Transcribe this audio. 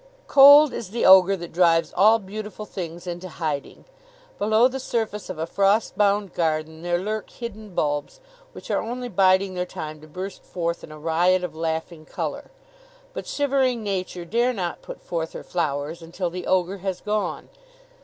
Cold is the ogre that drives all beautiful things into hiding. Below the surface of a frost bound garden there lurk hidden bulbs, which are only biding their time to burst forth in a riot of laughing color; but shivering Nature dare not put forth her flowers until the ogre has gone.